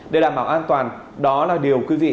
để đảm bảo an toàn đó là điều quý vị